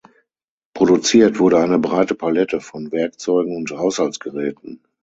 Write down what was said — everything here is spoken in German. Produziert wurde eine breite Palette von Werkzeugen und Haushaltsgeräten.